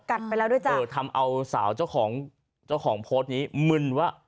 ไปแล้วด้วยจ้ะเออทำเอาสาวเจ้าของเจ้าของโพสต์นี้มึนว่า